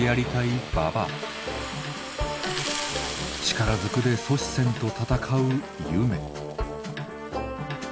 力ずくで阻止せんと闘うゆめ。